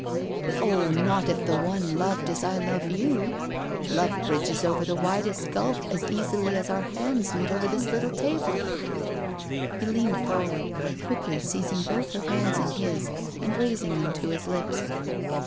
"Oh, not if the one loved as I love you. Love bridges over the widest gulf as easily as our hands meet over AT THE WEEK END COTTAGE 173 this little table." He leaned forward, quickly seizing both her hands in his and raising them to his lips.